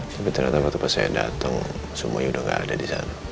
tapi ternyata pas saya dateng sumoye udah gak ada disana